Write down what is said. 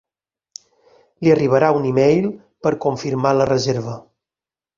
Li arribarà un email per confirmar la reserva.